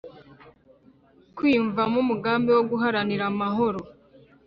kwiyumvamo umugambi wo guharanira amahoro